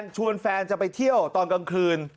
ชวนแฟนจะไปเที่ยวตอนกลางคืน